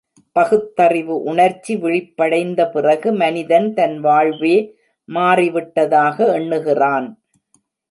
பகுத்தறிவு உணர்ச்சி விழிப்படைந்த பிறகு மனிதன் தன் வாழ்வே மாறிவிட்டதாக எண்ணுகிறான்.